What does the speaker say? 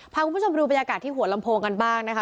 พาคุณผู้ชมดูบรรยากาศที่หัวลำโพงกันบ้างนะคะ